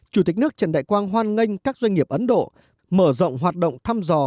chủ tịch nước trần đại quang hoan nghênh các doanh nghiệp ấn độ mở rộng hoạt động thăm dò